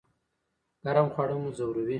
ګرم خواړه مو ځوروي؟